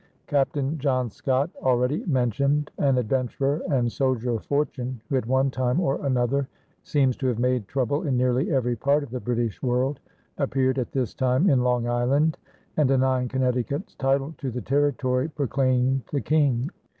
Captain John Scott, already mentioned, an adventurer and soldier of fortune who at one time or another seems to have made trouble in nearly every part of the British world, appeared at this time in Long Island and, denying Connecticut's title to the territory, proclaimed the King.